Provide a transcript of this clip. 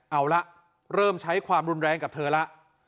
เอาละเริ่มใช้ความรุนแรงกับเธอแล้ว